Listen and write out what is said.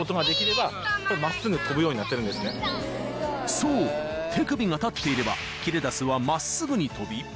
［そう手首が立っていればキレダスは真っすぐに飛び］